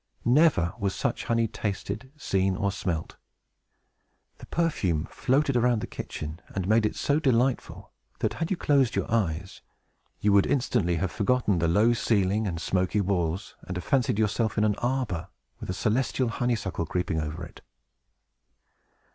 Never was such honey tasted, seen, or smelt. The perfume floated around the kitchen, and made it so delightful, that, had you closed your eyes, you would instantly have forgotten the low ceiling and smoky walls, and have fancied yourself in an arbor, with celestial honeysuckles creeping over it.